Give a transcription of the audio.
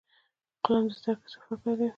قلم د زده کړې سفر پیلوي